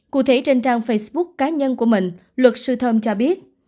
cụ thể trên trang facebook cá nhân của mình luật sư thơm cho biết